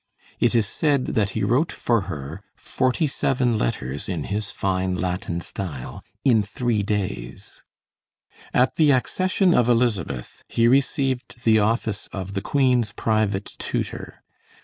It is said that he wrote for her forty seven letters in his fine Latin style, in three days. [Illustration: ROGER ASCHAM] At the accession of Elizabeth he received the office of the Queen's private tutor.